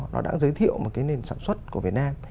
nó đã giới thiệu một cái nền sản xuất của việt nam